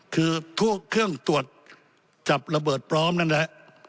คือพวกเครื่องตรวจจับระเบิดปลอมนั่นแหละ